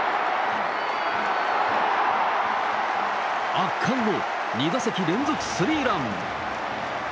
圧巻の２打席連続スリーラン。